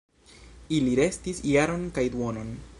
Ili restis jaron kaj duonon.